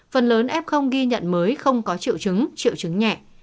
phần lớn f ghi nhận mới không có triệu chứng triệu chứng nhẹ